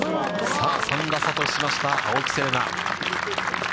さあ、３打差としました青木瀬令奈。